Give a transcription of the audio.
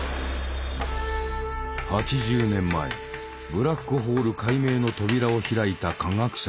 ８０年前ブラックホール解明の扉を開いた科学者がいた。